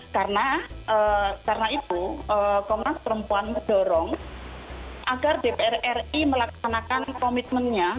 karena itu komnas perempuan mendorong agar dpr ri melaksanakan komitmennya